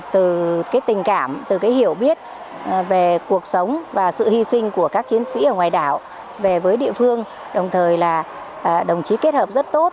từ tình cảm từ cái hiểu biết về cuộc sống và sự hy sinh của các chiến sĩ ở ngoài đảo về với địa phương đồng thời là đồng chí kết hợp rất tốt